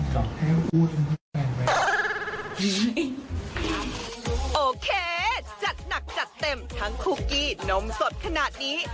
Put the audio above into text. โอเคจัดหนักจัดเต็มทั้งคุกกี้นมสดขนาดนี้